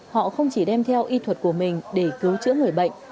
họ không chỉ đem theo y thuật của mình để cứu chữa người bệnh